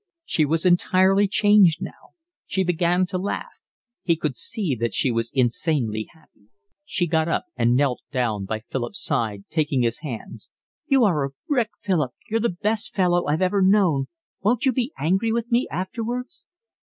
She was entirely changed now. She began to laugh. He could see that she was insanely happy. She got up and knelt down by Philip's side, taking his hands. "You are a brick, Philip. You're the best fellow I've ever known. Won't you be angry with me afterwards?"